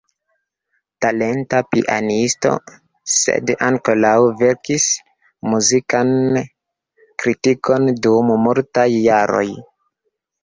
Talenta pianisto, Said ankaŭ verkis muzikan kritikon dum multaj jaroj.